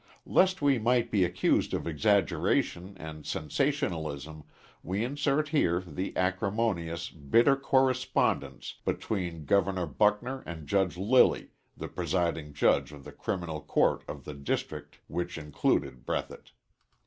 Lest we might be accused of exaggeration and sensationalism, we insert here the acrimonious, bitter correspondence between Governor Buckner and Judge Lilly, the presiding judge of the Criminal Court of the district which included Breathitt.